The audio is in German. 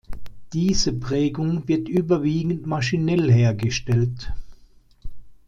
Diese Prägung wird überwiegend maschinell hergestellt.